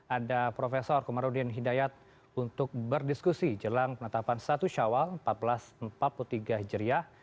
ada prof komarudin hidayat untuk berdiskusi jelang penetapan satu syawal seribu empat ratus empat puluh tiga hijriah